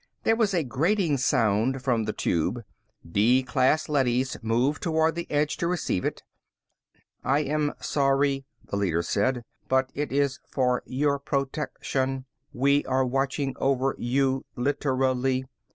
There was a grating sound from the Tube. D class leadys moved toward the edge to receive it. "I am sorry," the leader said, "but it is for your protection. We are watching over you, literally.